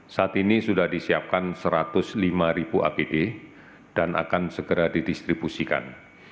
saat ini sudah disiapkan satu ratus lima ribu apd dan akan segera didistribusikan